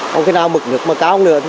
không khi nào mực lực mà cao lượng